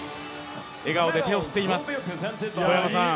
笑顔で手を振っています。